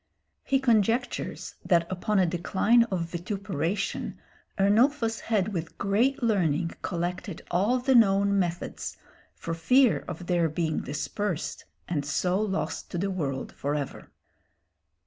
He conjectures that upon a decline of vituperation Ernulphus had with great learning collected all the known methods, for fear of their being dispersed and so lost to the world for ever.